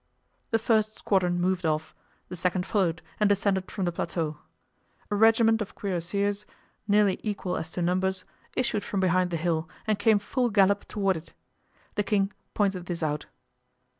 The first squadron moved off; the second followed, and descended from the plateau. A regiment of cuirassiers, nearly equal as to numbers, issued from behind the hill and came full gallop toward it. The king pointed this out.